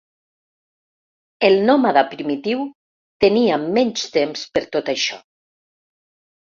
El nòmada primitiu tenia menys temps per tot això.